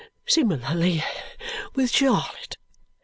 Similarly with Charlotte.